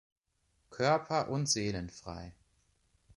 Körper- und seelenfrei.